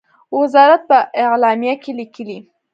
وزارت په اعلامیه کې لیکلی،